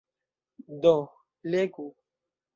Do, legu!